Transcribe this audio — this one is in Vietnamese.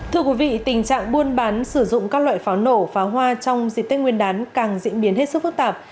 thưa quý vị tình trạng buôn bán sử dụng các loại pháo nổ pháo hoa trong dịp tết nguyên đán càng diễn biến hết sức phức tạp